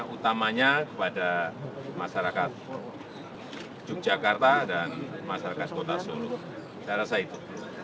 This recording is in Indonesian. utamanya kepada masyarakat yogyakarta dan masyarakat kota solo saya rasa itu